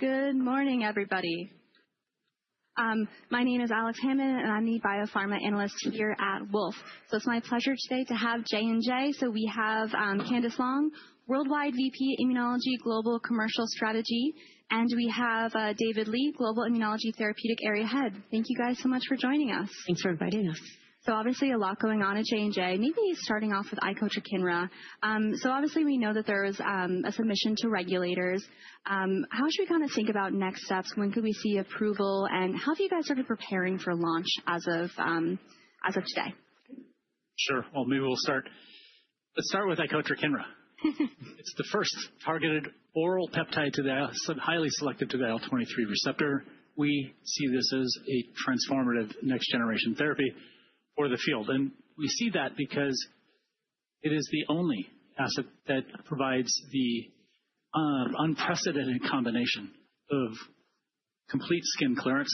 Good morning, everybody. My name is Alex Hammond, and I'm the biopharma analyst here at Wolfe. It's my pleasure today to have J&J. We have Candace Long, Worldwide VP Immunology Global Commercial Strategy, and we have David Lee, Global Immunology Therapeutic Area Head. Thank you guys so much for joining us. Thanks for inviting us. Obviously a lot going on at J&J. Maybe starting off with Icotrokinra. Obviously we know that there is a submission to regulators. How should we kind of think about next steps? When could we see approval? How have you guys started preparing for launch as of today? Sure. Maybe we'll start. Let's start with Icotrokinra. It's the first targeted oral peptide that's highly selective to the IL-23 receptor. We see this as a transformative next-generation therapy for the field. We see that because it is the only asset that provides the unprecedented combination of complete skin clearance,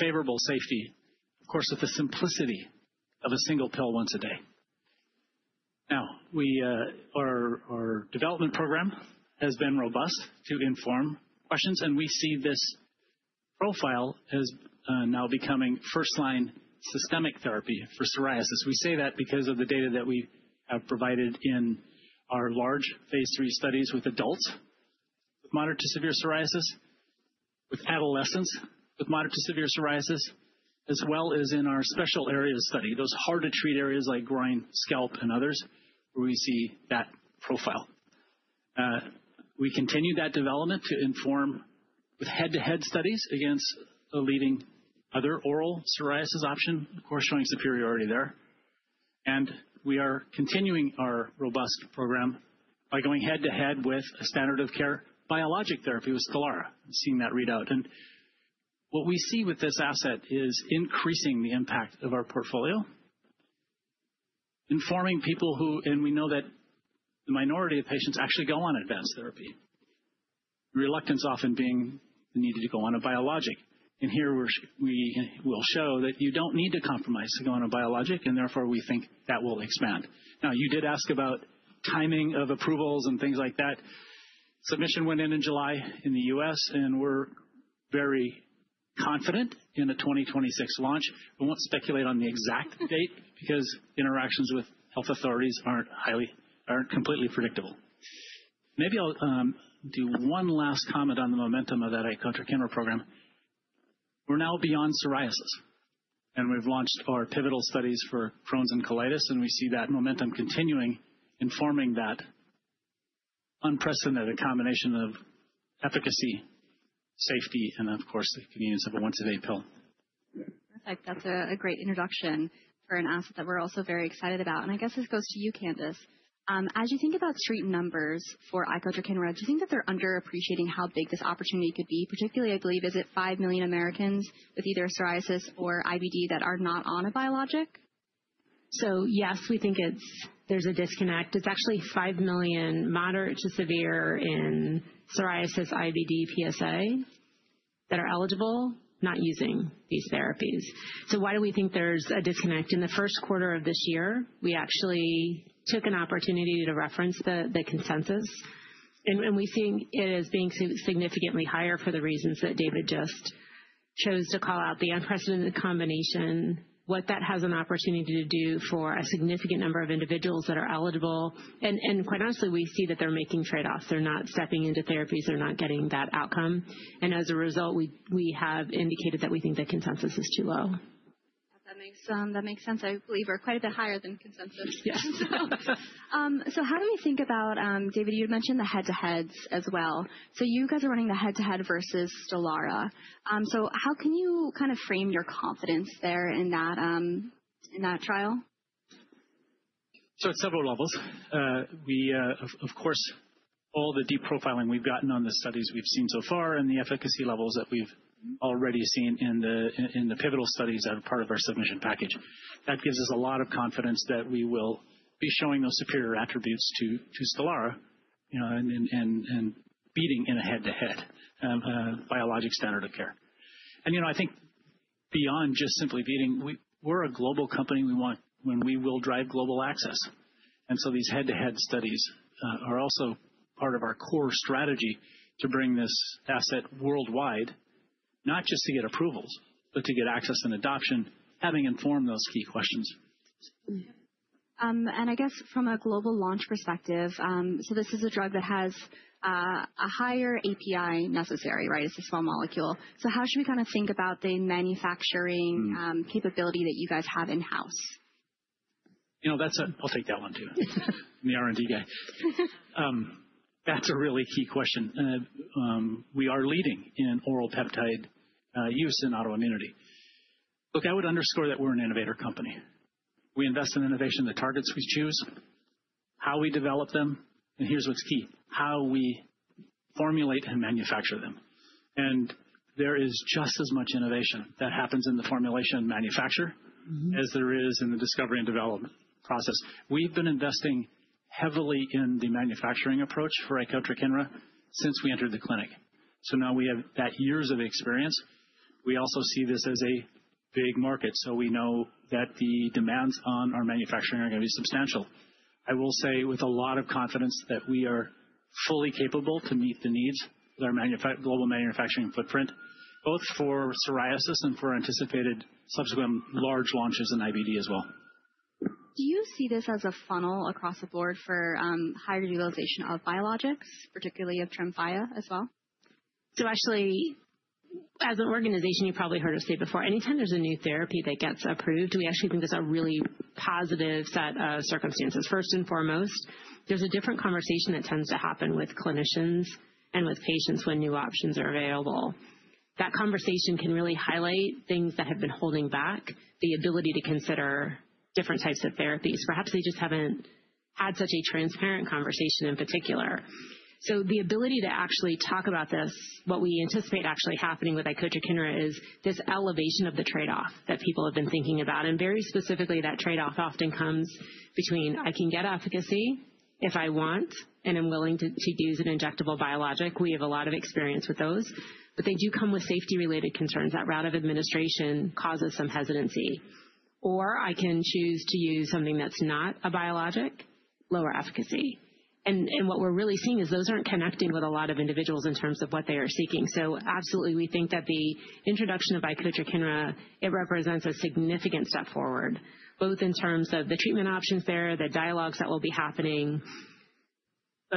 favorable safety, of course, with the simplicity of a single pill once a day. Our development program has been robust to inform questions, and we see this profile as now becoming first-line systemic therapy for psoriasis. We say that because of the data that we have provided in our large phase three studies with adults with moderate to severe psoriasis, with adolescents with moderate to severe psoriasis, as well as in our special area study, those hard-to-treat areas like groin, scalp, and others where we see that profile. We continue that development to inform with head-to-head studies against the leading other oral psoriasis option, of course, showing superiority there. We are continuing our robust program by going head-to-head with a standard of care biologic therapy with Stelara, seeing that readout. What we see with this asset is increasing the impact of our portfolio, informing people who, and we know that the minority of patients actually go on advanced therapy, reluctance often being needed to go on a biologic. Here we will show that you do not need to compromise to go on a biologic, and therefore we think that will expand. You did ask about timing of approvals and things like that. Submission went in in July in the US, and we are very confident in a 2026 launch. We will not speculate on the exact date because interactions with health authorities are not completely predictable. Maybe I'll do one last comment on the momentum of that Icotrokinra program. We're now beyond psoriasis, and we've launched our pivotal studies for Crohn's and colitis, and we see that momentum continuing, informing that unprecedented combination of efficacy, safety, and of course, the convenience of a once-a-day pill. Perfect. That's a great introduction for an asset that we're also very excited about. I guess this goes to you, Candace. As you think about street numbers for Icotrokinra, do you think that they're underappreciating how big this opportunity could be? Particularly, I believe, is it 5 million Americans with either psoriasis or IBD that are not on a biologic? Yes, we think there's a disconnect. It's actually 5 million moderate to severe in psoriasis, IBD, PsA that are eligible, not using these therapies. Why do we think there's a disconnect? In the first quarter of this year, we actually took an opportunity to reference the consensus, and we see it as being significantly higher for the reasons that David just chose to call out, the unprecedented combination, what that has an opportunity to do for a significant number of individuals that are eligible. Quite honestly, we see that they're making trade-offs. They're not stepping into therapies. They're not getting that outcome. As a result, we have indicated that we think the consensus is too low. That makes sense. I believe we're quite a bit higher than consensus. Yes. How do we think about, David, you had mentioned the head-to-heads as well. You guys are running the head-to-head versus Stelara. How can you kind of frame your confidence there in that trial? It's several levels. Of course, all the deep profiling we've gotten on the studies we've seen so far and the efficacy levels that we've already seen in the pivotal studies as part of our submission package. That gives us a lot of confidence that we will be showing those superior attributes to Stelara and beating in a head-to-head biologic standard of care. I think beyond just simply beating, we're a global company. We will drive global access. These head-to-head studies are also part of our core strategy to bring this asset worldwide, not just to get approvals, but to get access and adoption, having informed those key questions. I guess from a global launch perspective, this is a drug that has a higher API necessary, right? It's a small molecule. How should we kind of think about the manufacturing capability that you guys have in-house? You know, that's a, I'll take that one too. I'm the R&D guy. That's a really key question. We are leading in oral peptide use in autoimmunity. Look, I would underscore that we're an innovator company. We invest in innovation, the targets we choose, how we develop them, and here's what's key, how we formulate and manufacture them. There is just as much innovation that happens in the formulation and manufacture as there is in the discovery and development process. We've been investing heavily in the manufacturing approach for Icotrokinra since we entered the clinic. Now we have that years of experience. We also see this as a big market, so we know that the demands on our manufacturing are going to be substantial. I will say with a lot of confidence that we are fully capable to meet the needs of our global manufacturing footprint, both for psoriasis and for anticipated subsequent large launches in IBD as well. Do you see this as a funnel across the board for higher utilization of biologics, particularly of Tremfya as well? Actually, as an organization, you probably heard us say before, anytime there's a new therapy that gets approved, we actually think there's a really positive set of circumstances. First and foremost, there's a different conversation that tends to happen with clinicians and with patients when new options are available. That conversation can really highlight things that have been holding back the ability to consider different types of therapies. Perhaps they just haven't had such a transparent conversation in particular. The ability to actually talk about this, what we anticipate actually happening with Icotrokinra is this elevation of the trade-off that people have been thinking about. Very specifically, that trade-off often comes between I can get efficacy if I want and am willing to use an injectable biologic. We have a lot of experience with those. They do come with safety-related concerns. That route of administration causes some hesitancy. Or I can choose to use something that's not a biologic, lower efficacy. What we're really seeing is those aren't connecting with a lot of individuals in terms of what they are seeking. Absolutely, we think that the introduction of Icotrokinra, it represents a significant step forward, both in terms of the treatment options there, the dialogues that will be happening.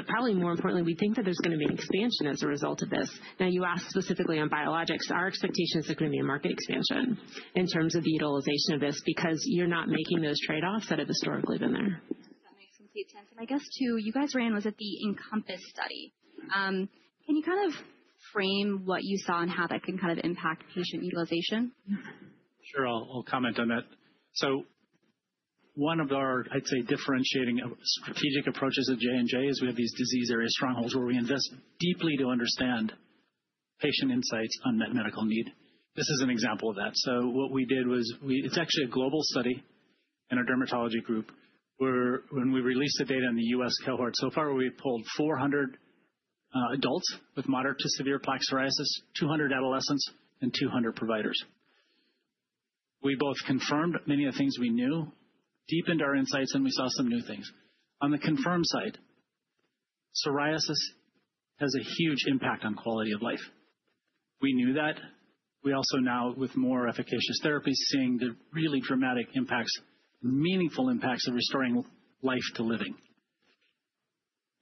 Probably more importantly, we think that there's going to be an expansion as a result of this. You asked specifically on biologics, our expectation is there's going to be a market expansion in terms of the utilization of this because you're not making those trade-offs that have historically been there. That makes complete sense. I guess too, you guys ran, was it the Encompass study? Can you kind of frame what you saw and how that can kind of impact patient utilization? Sure, I'll comment on that. One of our, I'd say, differentiating strategic approaches at J&J is we have these disease area strongholds where we invest deeply to understand patient insights and unmet medical need. This is an example of that. What we did was, it's actually a global study in our dermatology group where, when we released the data in the US cohort, so far we pulled 400 adults with moderate to severe plaque psoriasis, 200 adolescents, and 200 providers. We both confirmed many of the things we knew, deepened our insights, and we saw some new things. On the confirmed side, psoriasis has a huge impact on quality of life. We knew that. We also now, with more efficacious therapies, are seeing the really dramatic impacts, meaningful impacts of restoring life to living.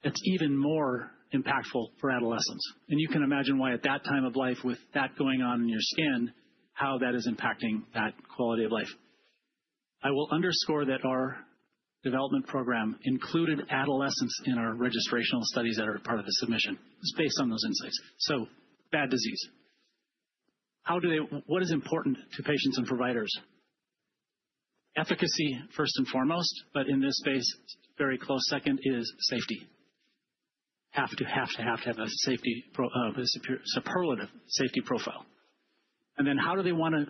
It's even more impactful for adolescents. You can imagine why at that time of life, with that going on in your skin, how that is impacting that quality of life. I will underscore that our development program included adolescents in our registrational studies that are part of the submission. It is based on those insights. Bad disease. What is important to patients and providers? Efficacy first and foremost, but in this space, very close second is safety. Have to, have to, have to have a superlative safety profile. Then how do they want to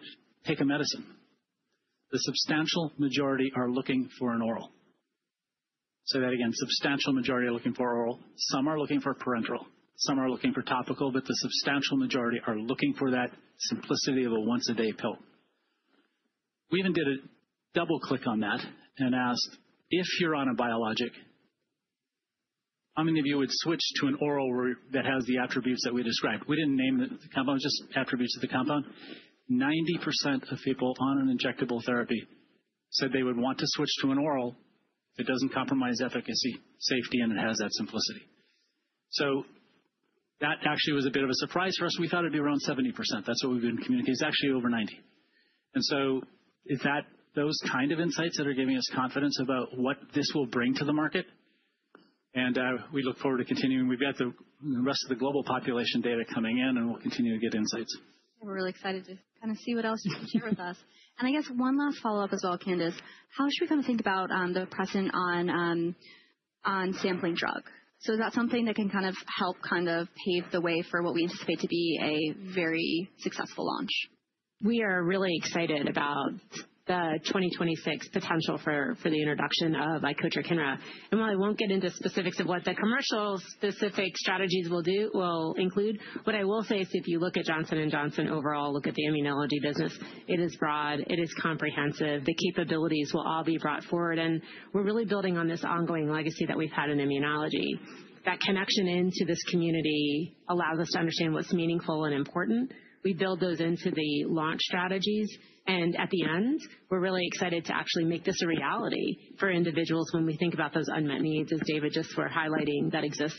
take a medicine? The substantial majority are looking for an oral. Say that again. Substantial majority are looking for oral. Some are looking for parenteral. Some are looking for topical, but the substantial majority are looking for that simplicity of a once-a-day pill. We even did a double-click on that and asked, if you're on a biologic, how many of you would switch to an oral that has the attributes that we described? We didn't name the compound, just attributes of the compound. 90% of people on an injectable therapy said they would want to switch to an oral that doesn't compromise efficacy, safety, and it has that simplicity. That actually was a bit of a surprise for us. We thought it'd be around 70%. That's what we've been communicating. It's actually over 90%. Those kind of insights are giving us confidence about what this will bring to the market. We look forward to continuing. We've got the rest of the global population data coming in, and we'll continue to get insights. We're really excited to kind of see what else you can share with us. I guess one last follow-up as well, Candace, how should we kind of think about the precedent on sampling drug? Is that something that can kind of help kind of pave the way for what we anticipate to be a very successful launch? We are really excited about the 2026 potential for the introduction of Icotrokinra. While I won't get into specifics of what the commercial-specific strategies will include, what I will say is if you look at Johnson & Johnson overall, look at the immunology business, it is broad, it is comprehensive. The capabilities will all be brought forward, and we're really building on this ongoing legacy that we've had in immunology. That connection into this community allows us to understand what's meaningful and important. We build those into the launch strategies. At the end, we're really excited to actually make this a reality for individuals when we think about those unmet needs, as David just was highlighting, that exist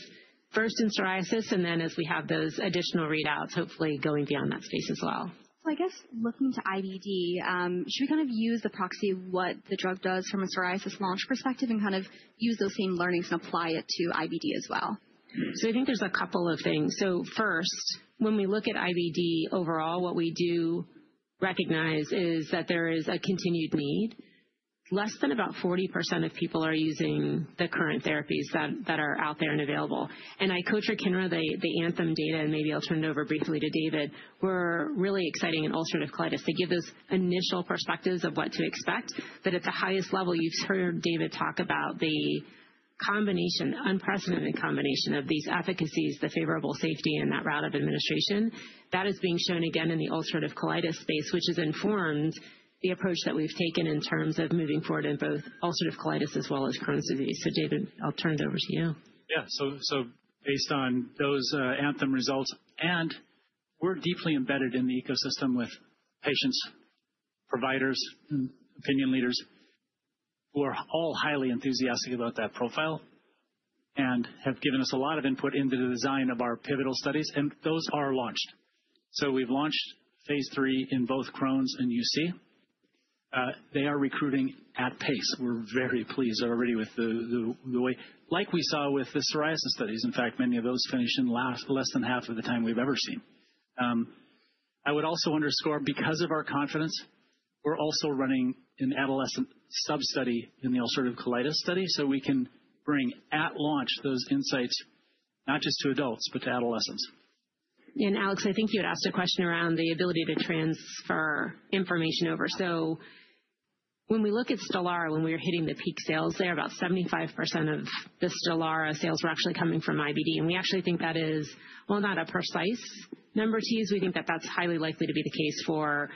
first in psoriasis and then as we have those additional readouts, hopefully going beyond that space as well. I guess looking to IBD, should we kind of use the proxy of what the drug does from a psoriasis launch perspective and kind of use those same learnings and apply it to IBD as well? I think there's a couple of things. First, when we look at IBD overall, what we do recognize is that there is a continued need. Less than about 40% of people are using the current therapies that are out there and available. And Icotrokinra, the anthem data, and maybe I'll turn it over briefly to David, were really exciting in ulcerative colitis. They give those initial perspectives of what to expect. At the highest level, you've heard David talk about the combination, unprecedented combination of these efficacies, the favorable safety, and that route of administration. That is being shown again in the ulcerative colitis space, which has informed the approach that we've taken in terms of moving forward in both ulcerative colitis as well as Crohn's Disease. David, I'll turn it over to you. Yeah, so based on those anthem results, and we're deeply embedded in the ecosystem with patients, providers, opinion leaders who are all highly enthusiastic about that profile and have given us a lot of input into the design of our pivotal studies. Those are launched. We've launched phase three in both Crohn's and UC. They are recruiting at pace. We're very pleased already with the way, like we saw with the psoriasis studies. In fact, many of those finished in less than half of the time we've ever seen. I would also underscore, because of our confidence, we're also running an adolescent sub-study in the ulcerative colitis study so we can bring at launch those insights not just to adults, but to adolescents. Alex, I think you had asked a question around the ability to transfer information over. When we look at Stelara, when we were hitting the peak sales, about 75% of the Stelara sales were actually coming from IBD. We actually think that is, well, not a precise number to use. We think that is highly likely to be the case for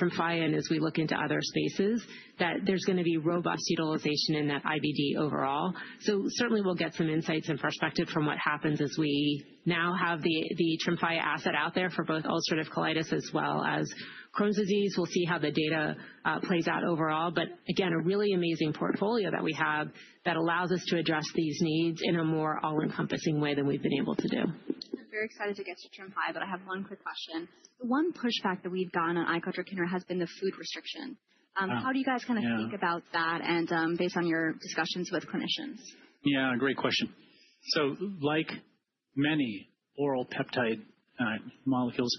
Tremfya, and as we look into other spaces, that there is going to be robust utilization in that IBD overall. Certainly, we will get some insights and perspective from what happens as we now have the Tremfya asset out there for both ulcerative colitis as well as Crohn's Disease. We will see how the data plays out overall. Again, a really amazing portfolio that we have that allows us to address these needs in a more all-encompassing way than we have been able to do. I'm very excited to get to Tremfya, but I have one quick question. One pushback that we've gotten on Icotrokinra has been the food restriction. How do you guys kind of think about that and based on your discussions with clinicians? Yeah, great question. Like many oral peptide molecules,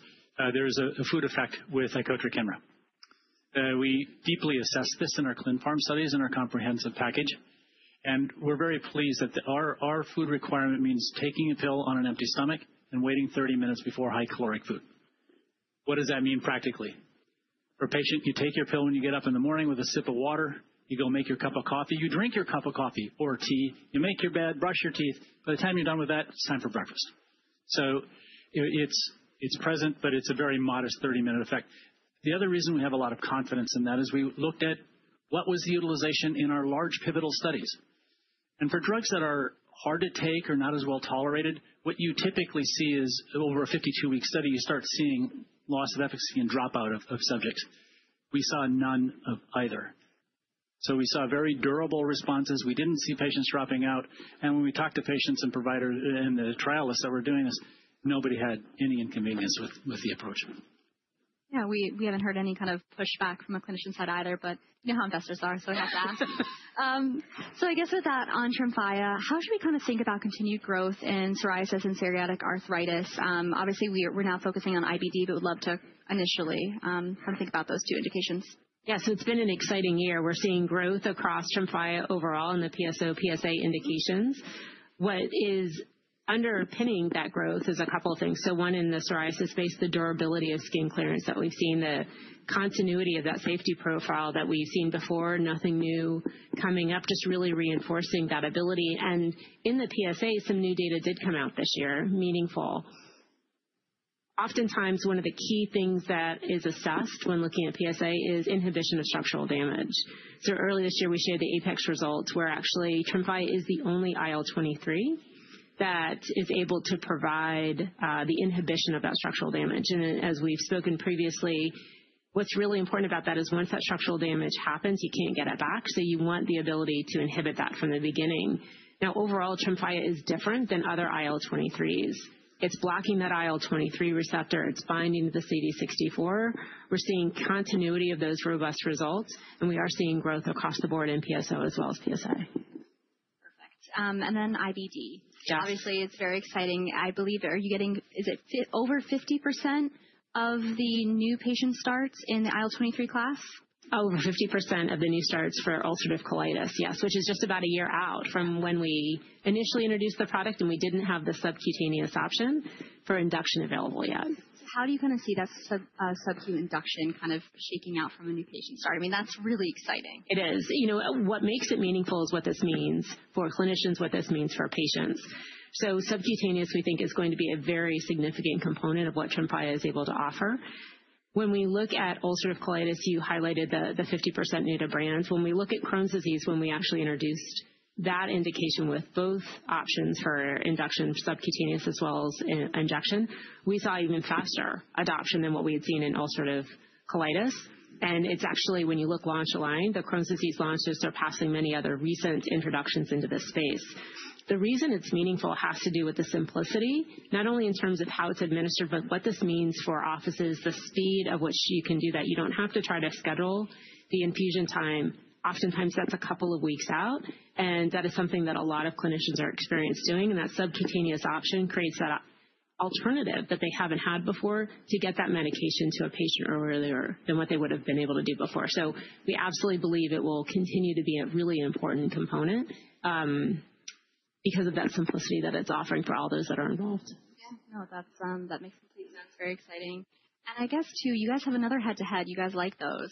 there is a food effect with Icotrokinra. We deeply assess this in our ClinPharm studies and our comprehensive package. We're very pleased that our food requirement means taking a pill on an empty stomach and waiting 30 minutes before high caloric food. What does that mean practically? For a patient, you take your pill when you get up in the morning with a sip of water, you go make your cup of coffee, you drink your cup of coffee or tea, you make your bed, brush your teeth. By the time you're done with that, it's time for breakfast. It's present, but it's a very modest 30-minute effect. The other reason we have a lot of confidence in that is we looked at what was the utilization in our large pivotal studies. For drugs that are hard to take or not as well tolerated, what you typically see is over a 52-week study, you start seeing loss of efficacy and dropout of subjects. We saw none of either. We saw very durable responses. We did not see patients dropping out. When we talked to patients and providers in the trial list that were doing this, nobody had any inconvenience with the approach. Yeah, we haven't heard any kind of pushback from a clinician's side either, but you know how investors are, so I have to ask. I guess with that on Tremfya, how should we kind of think about continued growth in psoriasis and psoriatic arthritis? Obviously, we're now focusing on IBD, but we'd love to initially kind of think about those two indications. Yeah, so it's been an exciting year. We're seeing growth across Tremfya overall in the PSO, PSA indications. What is underpinning that growth is a couple of things. One, in the psoriasis space, the durability of skin clearance that we've seen, the continuity of that safety profile that we've seen before, nothing new coming up, just really reinforcing that ability. In the PSA, some new data did come out this year, meaningful. Oftentimes, one of the key things that is assessed when looking at PSA is inhibition of structural damage. Early this year, we shared the APEX results where actually Tremfya is the only IL-23 that is able to provide the inhibition of that structural damage. As we've spoken previously, what's really important about that is once that structural damage happens, you can't get it back. You want the ability to inhibit that from the beginning. Now, overall, Tremfya is different than other IL-23s. It is blocking that IL-23 Receptor. It is binding to the CD64. We are seeing continuity of those robust results, and we are seeing growth across the board in PSO as well as PSA. Perfect. IBD. Obviously, it's very exciting. I believe, are you getting, is it over 50% of the new patient starts in the IL-23 class? Over 50% of the new starts for ulcerative colitis, yes, which is just about a year out from when we initially introduced the product and we did not have the subcutaneous option for induction available yet. How do you kind of see that subcutaneous induction kind of shaking out from a new patient start? I mean, that's really exciting. It is. You know, what makes it meaningful is what this means for clinicians, what this means for patients. Subcutaneous, we think, is going to be a very significant component of what Tremfya is able to offer. When we look at ulcerative colitis, you highlighted the 50% native brands. When we look at Crohn's Disease, when we actually introduced that indication with both options for induction subcutaneous as well as injection, we saw even faster adoption than what we had seen in ulcerative colitis. It is actually, when you look launch line, the Crohn's Disease launch is surpassing many other recent introductions into this space. The reason it is meaningful has to do with the simplicity, not only in terms of how it is administered, but what this means for offices, the speed at which you can do that. You do not have to try to schedule the infusion time. Oftentimes, that's a couple of weeks out. That is something that a lot of clinicians are experienced doing. That subcutaneous option creates that alternative that they haven't had before to get that medication to a patient earlier than what they would have been able to do before. We absolutely believe it will continue to be a really important component because of that simplicity that it's offering for all those that are involved. Yeah, no, that makes complete sense. Very exciting. I guess too, you guys have another head-to-head. You guys like those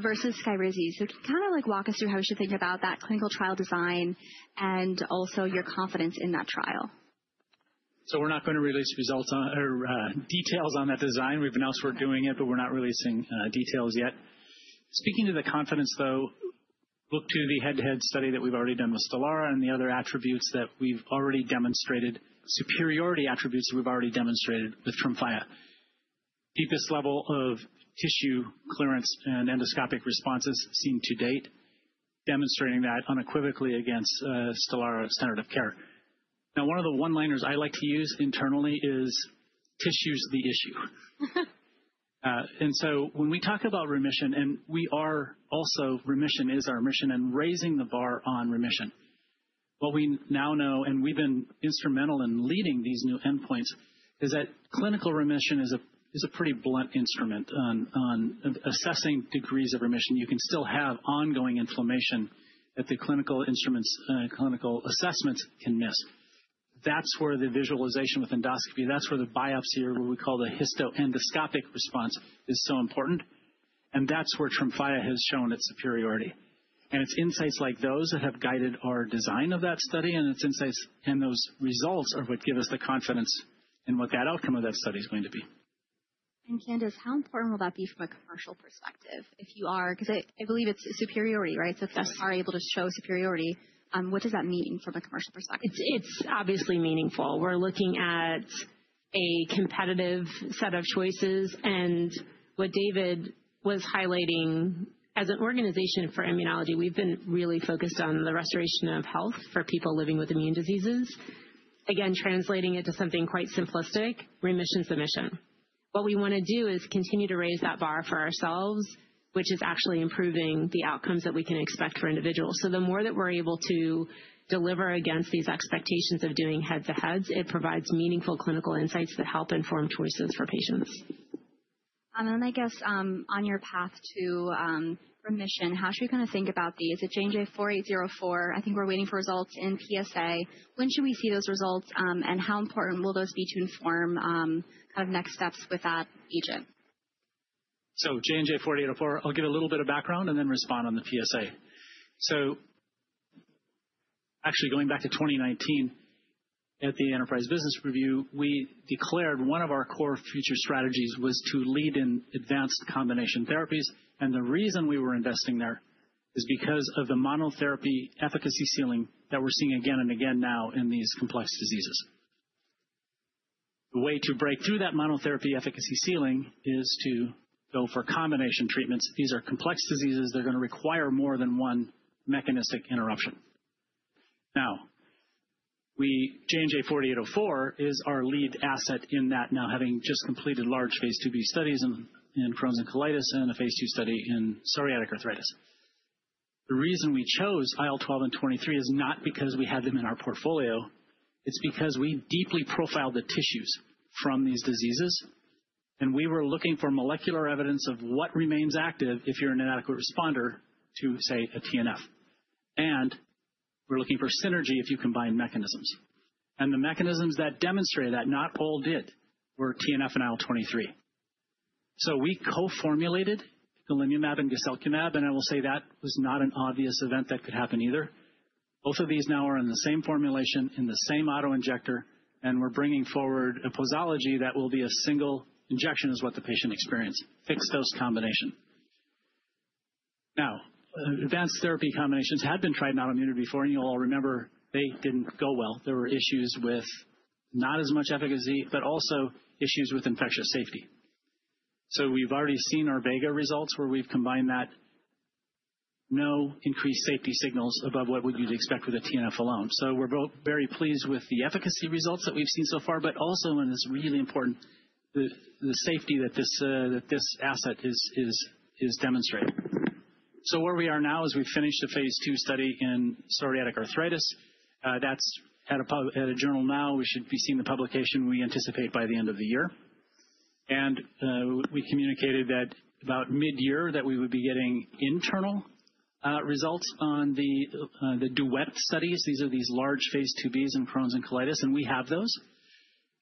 versus Skyrizi. Can you kind of like walk us through how you should think about that clinical trial design and also your confidence in that trial? We're not going to release details on that design. We've announced we're doing it, but we're not releasing details yet. Speaking to the confidence, though, look to the head-to-head study that we've already done with Stelara and the other attributes that we've already demonstrated, superiority attributes that we've already demonstrated with Tremfya. Deepest level of tissue clearance and endoscopic responses seen to date, demonstrating that unequivocally against Stelara's standard of care. One of the one-liners I like to use internally is, "Tissue's the issue." When we talk about remission, and we are also, remission is our mission and raising the bar on remission. What we now know, and we've been instrumental in leading these new endpoints, is that clinical remission is a pretty blunt instrument on assessing degrees of remission. You can still have ongoing inflammation that the clinical instruments, clinical assessments can miss. That's where the visualization with endoscopy, that's where the biopsy or what we call the histoendoscopic response is so important. That's where Tremfya has shown its superiority. It's insights like those that have guided our design of that study. It's insights and those results are what give us the confidence in what that outcome of that study is going to be. Candace, how important will that be from a commercial perspective? If you are, because I believe it's superiority, right? If that's are able to show superiority, what does that mean from a commercial perspective? It's obviously meaningful. We're looking at a competitive set of choices. What David was highlighting, as an organization for immunology, we've been really focused on the restoration of health for people living with immune diseases. Again, translating it to something quite simplistic, remission submission. What we want to do is continue to raise that bar for ourselves, which is actually improving the outcomes that we can expect for individuals. The more that we're able to deliver against these expectations of doing head-to-heads, it provides meaningful clinical insights that help inform choices for patients. I guess on your path to remission, how should you kind of think about these? It's J&J 4804. I think we're waiting for results in PSA. When should we see those results? How important will those be to inform kind of next steps with that agent? J&J 4804, I'll give a little bit of background and then respond on the PSA. Actually, going back to 2019 at the Enterprise Business Review, we declared one of our core future strategies was to lead in advanced combination therapies. The reason we were investing there is because of the monotherapy efficacy ceiling that we're seeing again and again now in these complex diseases. The way to break through that monotherapy efficacy ceiling is to go for combination treatments. These are complex diseases. They're going to require more than one mechanistic interruption. J&J 4804 is our lead asset in that now, having just completed large phase II-B studies in Crohn's and colitis and a phase II study in psoriatic arthritis. The reason we chose IL-12 and 23 is not because we had them in our portfolio. It's because we deeply profiled the tissues from these diseases. We were looking for molecular evidence of what remains active if you're an inadequate responder to, say, a TNF. We were looking for synergy if you combine mechanisms. The mechanisms that demonstrate that—not all did—were TNF and IL-23. We co-formulated golimumab and guselkumab. I will say that was not an obvious event that could happen either. Both of these now are in the same formulation, in the same autoinjector. We are bringing forward a posology that will be a single injection, is what the patient experienced, fixed dose combination. Advanced therapy combinations had been tried in autoimmune before. You will all remember they did not go well. There were issues with not as much efficacy, but also issues with infectious safety. We have already seen our VEGA results where we have combined that. No increased safety signals above what we would expect with a TNF alone. We're both very pleased with the efficacy results that we've seen so far, but also when it's really important, the safety that this asset is demonstrating. Where we are now is we've finished a phase II study in psoriatic arthritis. That's at a journal now. We should be seeing the publication we anticipate by the end of the year. We communicated that about mid-year that we would be getting internal results on the Duet studies. These are these large phase IIBs in Crohn's and colitis. We have those.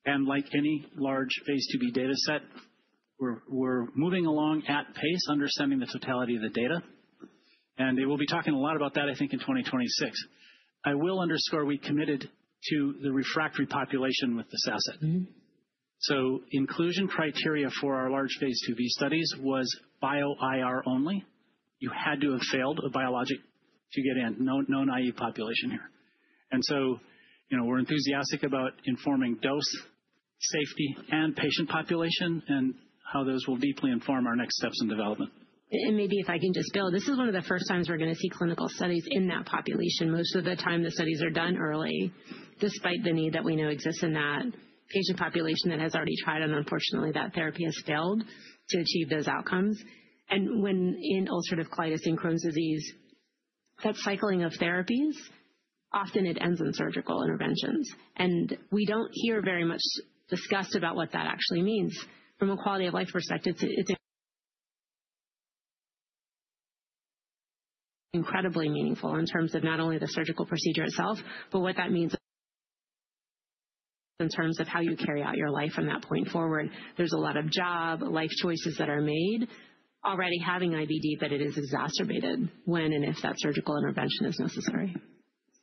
Like any large phase IIB data set, we're moving along at pace, understanding the totality of the data. We'll be talking a lot about that, I think, in 2026. I will underscore we committed to the refractory population with this asset. Inclusion criteria for our large phase IIB studies was bio IR only. You had to have failed a biologic to get in, no naive population here. We are enthusiastic about informing dose, safety, and patient population and how those will deeply inform our next steps in development. Maybe if I can just build, this is one of the first times we're going to see clinical studies in that population. Most of the time the studies are done early, despite the need that we know exists in that patient population that has already tried and unfortunately that therapy has failed to achieve those outcomes. When in ulcerative colitis and Crohn's disease, that cycling of therapies, often it ends in surgical interventions. We do not hear very much discussed about what that actually means. From a quality of life perspective, it is incredibly meaningful in terms of not only the surgical procedure itself, but what that means in terms of how you carry out your life from that point forward. There are a lot of job, life choices that are made already having IBD, but it is exacerbated when and if that surgical intervention is necessary.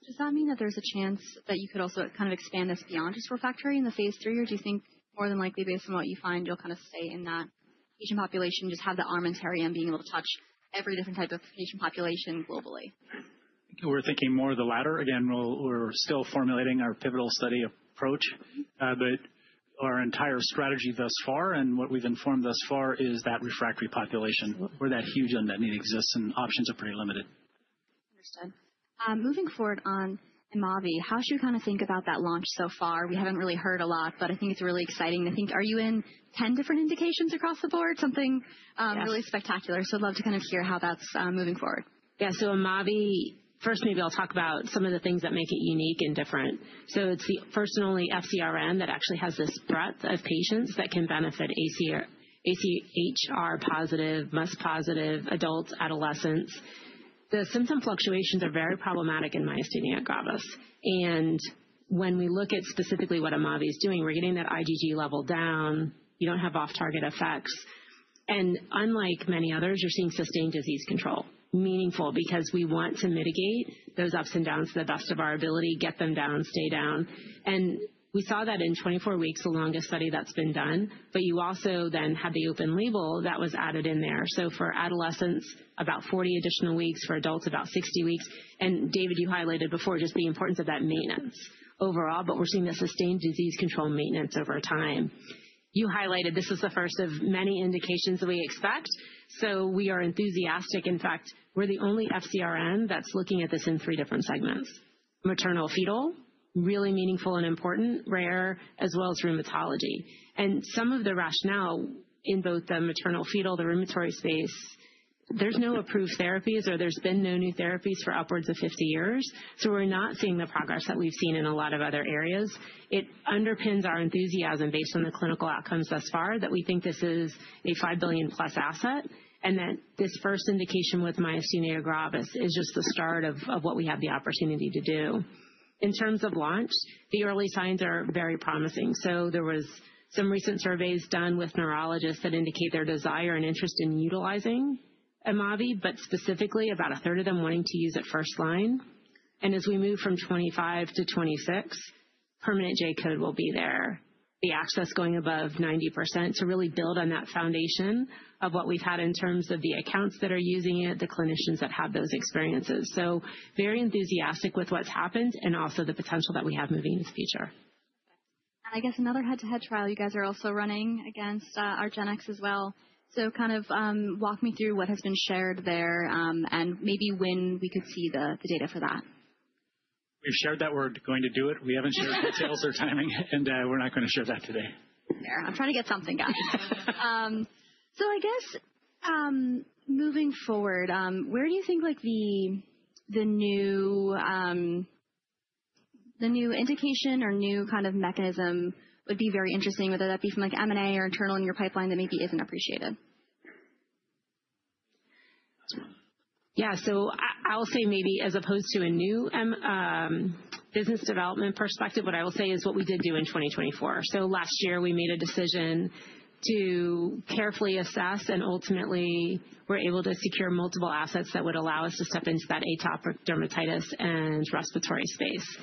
Does that mean that there's a chance that you could also kind of expand this beyond just refractory in the phase III, or do you think more than likely based on what you find, you'll kind of stay in that patient population, just have the arm and tarry and being able to touch every different type of patient population globally? We're thinking more of the latter. Again, we're still formulating our pivotal study approach, but our entire strategy thus far and what we've informed thus far is that refractory population where that huge unmet need exists and options are pretty limited. Understood. Moving forward on Imavi, how should we kind of think about that launch so far? We haven't really heard a lot, but I think it's really exciting. I think, are you in 10 different indications across the board? Something really spectacular. I’d love to kind of hear how that's moving forward. Yeah, so Imavi, first, maybe I'll talk about some of the things that make it unique and different. It is the first and only FcRn that actually has this breadth of patients that can benefit, AChR positive, MuSK positive, adults, adolescents. The symptom fluctuations are very problematic in myasthenia gravis. When we look at specifically what Imavi is doing, we're getting that IgG level down. You do not have off-target effects. Unlike many others, you are seeing sustained disease control. Meaningful because we want to mitigate those ups and downs to the best of our ability, get them down, stay down. We saw that in 24 weeks, the longest study that has been done. You also then had the open label that was added in there. For adolescents, about 40 additional weeks, for adults, about 60 weeks. David, you highlighted before just the importance of that maintenance overall, but we're seeing the sustained disease control maintenance over time. You highlighted this is the first of many indications that we expect. We are enthusiastic. In fact, we're the only FcRn that's looking at this in three different segments: maternal, fetal, really meaningful and important, rare, as well as rheumatology. Some of the rationale in both the maternal, fetal, the rheumatoid space, there's no approved therapies or there's been no new therapies for upwards of 50 years. We're not seeing the progress that we've seen in a lot of other areas. It underpins our enthusiasm based on the clinical outcomes thus far that we think this is a $5 billion plus asset and that this first indication with myasthenia gravis is just the start of what we have the opportunity to do. In terms of launch, the early signs are very promising. There were some recent surveys done with neurologists that indicate their desire and interest in utilizing Imavi, but specifically about a third of them wanting to use it first line. As we move from 2025 to 2026, permanent J-code will be there, the access going above 90% to really build on that foundation of what we've had in terms of the accounts that are using it, the clinicians that have those experiences. Very enthusiastic with what's happened and also the potential that we have moving into the future. I guess another head-to-head trial, you guys are also running against our GenX as well. Kind of walk me through what has been shared there and maybe when we could see the data for that. We've shared that we're going to do it. We haven't shared details or timing, and we're not going to share that today. Fair. I'm trying to get something done. I guess moving forward, where do you think the new indication or new kind of mechanism would be very interesting, whether that be from like M&A or internal in your pipeline that maybe isn't appreciated? Yeah, so I'll say maybe as opposed to a new business development perspective, what I will say is what we did do in 2024. Last year, we made a decision to carefully assess and ultimately were able to secure multiple assets that would allow us to step into that atopic dermatitis and respiratory space.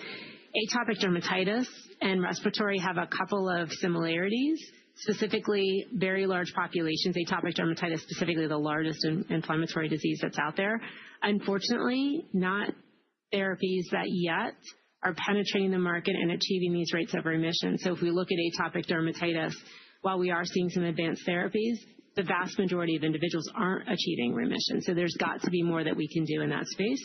Atopic dermatitis and respiratory have a couple of similarities, specifically very large populations. Atopic dermatitis is specifically the largest inflammatory disease that's out there. Unfortunately, not therapies that yet are penetrating the market and achieving these rates of remission. If we look at atopic dermatitis, while we are seeing some advanced therapies, the vast majority of individuals aren't achieving remission. There's got to be more that we can do in that space.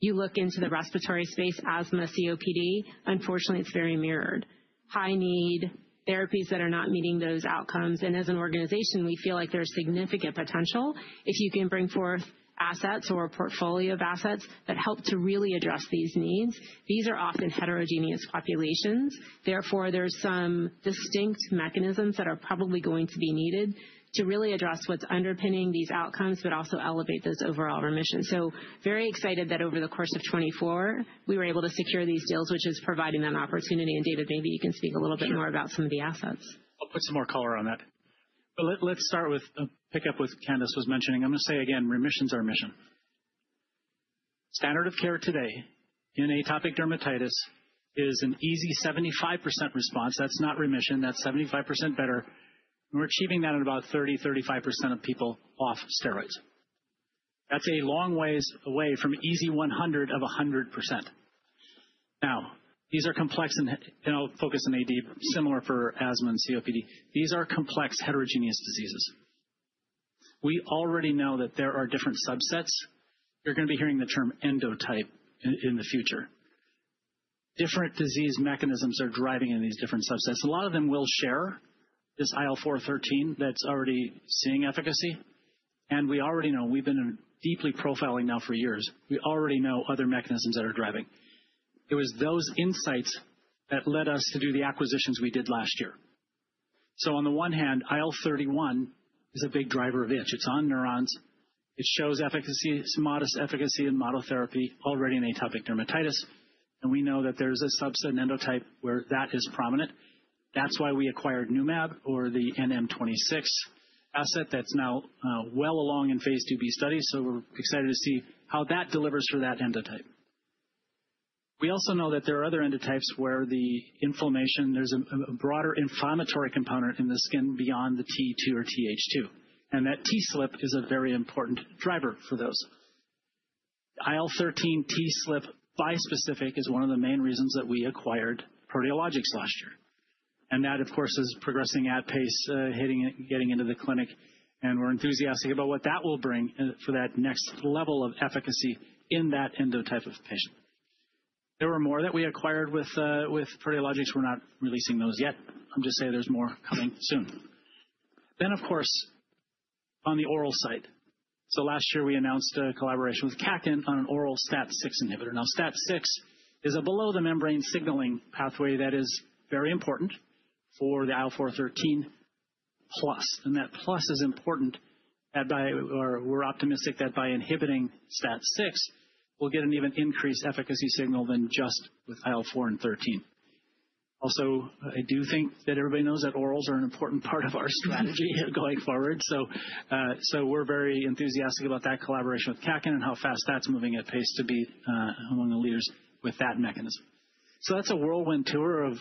You look into the respiratory space, asthma, COPD, unfortunately, it's very mirrored. High need therapies that are not meeting those outcomes. As an organization, we feel like there's significant potential if you can bring forth assets or a portfolio of assets that help to really address these needs. These are often heterogeneous populations. Therefore, there's some distinct mechanisms that are probably going to be needed to really address what's underpinning these outcomes, but also elevate those overall remissions. We are very excited that over the course of 2024, we were able to secure these deals, which is providing that opportunity. David, maybe you can speak a little bit more about some of the assets. I'll put some more color on that. Let's start with a pickup with Candace was mentioning. I'm going to say again, remissions are mission. Standard of care today in atopic dermatitis is an easy 75% response. That's not remission. That's 75% better. We're achieving that in about 30-35% of people off steroids. That's a long way away from easy 100 of 100%. These are complex, and I'll focus on AD, similar for asthma and COPD. These are complex heterogeneous diseases. We already know that there are different subsets. You're going to be hearing the term endotype in the future. Different disease mechanisms are driving in these different subsets. A lot of them will share this IL-4/13 that's already seeing efficacy. We already know, we've been deeply profiling now for years. We already know other mechanisms that are driving. It was those insights that led us to do the acquisitions we did last year. On the one hand, IL-31 is a big driver of itch. It's on neurons. It shows efficacy, modest efficacy in monotherapy already in atopic dermatitis. We know that there's a subset endotype where that is prominent. That's why we acquired Numab or the NM26 asset that's now well along in phase II-B studies. We're excited to see how that delivers for that endotype. We also know that there are other endotypes where the inflammation, there's a broader inflammatory component in the skin beyond the T2 or TH2. That TSLP is a very important driver for those. IL-13 TSLP bispecific is one of the main reasons that we acquired Proteologix last year. That, of course, is progressing at pace, getting into the clinic. We're enthusiastic about what that will bring for that next level of efficacy in that endotype of patient. There were more that we acquired with Proteologix. We're not releasing those yet. I'm just saying there's more coming soon. Of course, on the oral side, last year, we announced a collaboration with Kactus Biosciences on an oral STAT-6 inhibitor. Now, STAT6 is a below-the-membrane signaling pathway that is very important for the IL-4/13 plus. That plus is important. We're optimistic that by inhibiting STAT6, we'll get an even increased efficacy signal than just with IL-4 and 13. Also, I do think that everybody knows that orals are an important part of our strategy going forward. We're very enthusiastic about that collaboration with Kactus Biosciences and how fast that's moving at pace to be among the leaders with that mechanism. That's a whirlwind tour of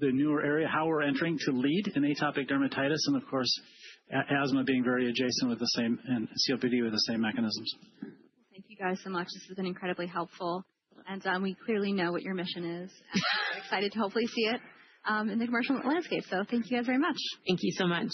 the newer area, how we're entering to lead in atopic dermatitis and, of course, asthma being very adjacent with the same and COPD with the same mechanisms. Thank you guys so much. This has been incredibly helpful. We clearly know what your mission is. We're excited to hopefully see it in the commercial landscape. Thank you guys very much. Thank you so much.